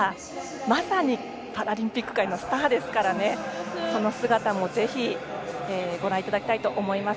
まさにパラリンピック界のスターですからその姿もぜひご覧いただきたいと思います。